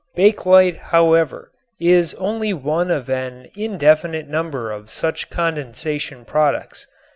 Bakelite, however, is only one of an indefinite number of such condensation products.